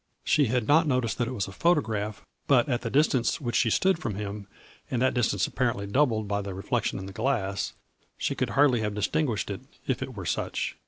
She had not noticed that it was a photograph, but at the distance which she stood from him, and that distance apparently doubled by the reflection in the glass, she could hardly have distinguished it, if it were such.